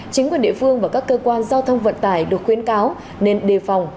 chính quyền địa phương và các cơ quan giao thông vận tải được khuyến cáo nên đề phòng